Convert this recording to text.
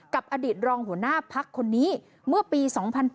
กับอดีตรองหัวหน้าพักคนนี้เมื่อปี๒๘